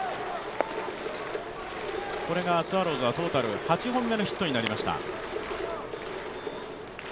これがスワローズはトータル８本目のヒットになりました。